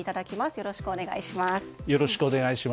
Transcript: よろしくお願いします。